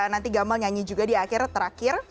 nanti gamel nyanyi juga di akhir terakhir